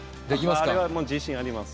あれは自信あります。